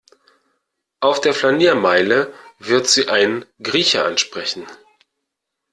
Auf der Flaniermeile wird Sie ein Grieche ansprechen.